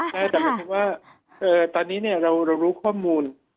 แต่ว่าตอนนี้เรารู้ข้อมูล